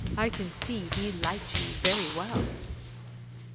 I can see he likes you very well.'